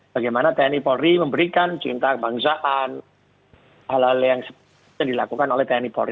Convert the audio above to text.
bagaimana tni polri memberikan cinta kebangsaan hal hal yang dilakukan oleh tni polri